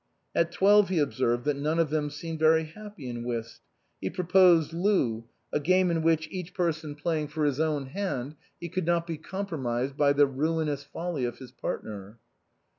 At twelve he observed that none of them "seemed very happy in whist"; he pro posed loo, a game in which, each person playing 32 INLAND for his own hand, he could not be compromised by the ruinous folly of his partner.